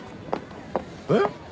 えっ？